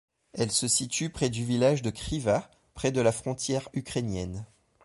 Elle se situe près du village de Criva, près de la frontière ukrainienne.